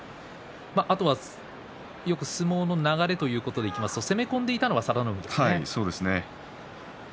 あとはよく相撲の流れということでいきますと攻め込んでいたのはそうですね。